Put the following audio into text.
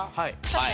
はい。